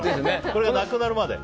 これがなくなるまで？